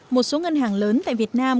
một số ngân hàng lớn tại việt nam